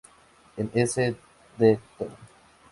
En ese Dto.